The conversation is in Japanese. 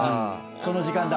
その時間だ。